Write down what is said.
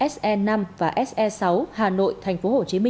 se năm và se sáu hà nội thhcm